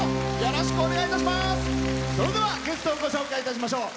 それではゲストをご紹介いたしましょう。